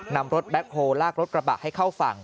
นำรถแบ็คโฮลลากรถกระบะให้เข้าฝั่ง